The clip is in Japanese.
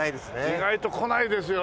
意外と来ないですよね。